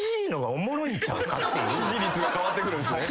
支持率が変わってくるんすね。